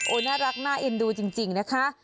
น่ารักน่าเอ็นดูจริงนะคะ